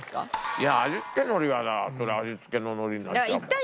いや味付け海苔はそりゃ味付けの海苔になっちゃうもん。